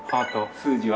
数字は？